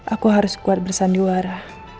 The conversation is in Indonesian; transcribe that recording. aku harus kuat bersanduara